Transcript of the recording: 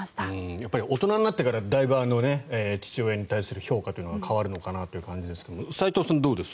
やっぱり大人になってからだいぶ父親に対する評価は変わるのかなという感じですが斎藤さん、どうです？